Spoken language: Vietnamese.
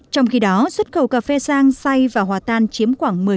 trong khi đó xuất khẩu cà phê sang say và hòa tan chiếm khoảng một mươi